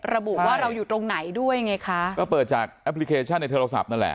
ระบุว่าเราอยู่ตรงไหนด้วยไงคะก็เปิดจากแอปพลิเคชันในโทรศัพท์นั่นแหละ